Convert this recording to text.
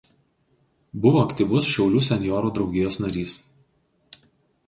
Buvo aktyvus Šiaulių senjorų draugijos narys.